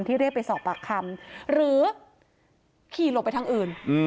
เรียกไปสอบปากคำหรือขี่หลบไปทางอื่น